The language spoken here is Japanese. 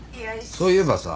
そういえばさ。